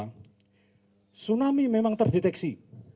tsunami memang terdeteksi